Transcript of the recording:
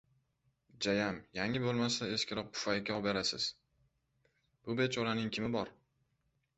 Jayam yangi bo‘lmasa eskiroq pufayka oberarsiz. Bu bechoraning kimi bor?